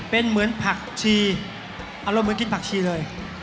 เป็นเหมือนผักชีอารมณ์เหมือนกินผักชีเลย